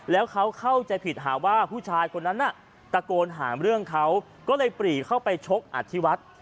แล้วเขาเข้าใจผิดหาว่าผู้ชายคนนั้นน่ะตะโกนหาเรื่องเขาก็เลยปรีเข้าไปชกอธิวัฒน์